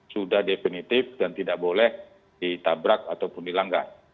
sudah definitif dan tidak boleh ditabrak ataupun dilanggar